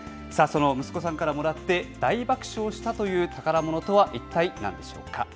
その息子さんからもらって大爆笑したという宝物とはいったい何でしょうか。